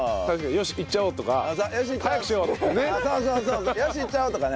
「よしいっちゃおう」とかね。